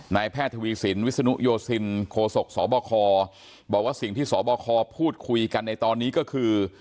แพทย์ทวีสินวิศนุโยสินโคศกสบคบอกว่าสิ่งที่สบคพูดคุยกันในตอนนี้ก็คือ